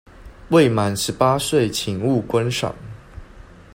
未滿十八歲請勿觀賞